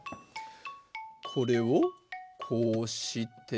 これをこうして。